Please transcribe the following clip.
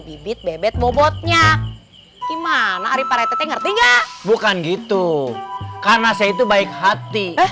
bibit bebek bobotnya gimana ari paretete ngerti nggak bukan gitu karena saya itu baik hati